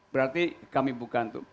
berarti kami bukan